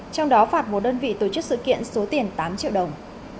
trong đó phạt một đơn vị tổ chức sự kiện số tiền tám triệu đồng